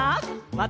また。